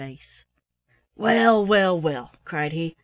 "Well, well, well," cried he.